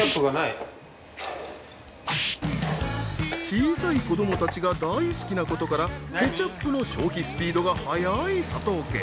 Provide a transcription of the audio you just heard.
小さい子どもたちが大好きな事からケチャップの消費スピードが早い佐藤家。